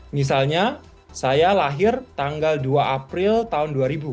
misalnya saya lahir tanggal dua april tahun dua ribu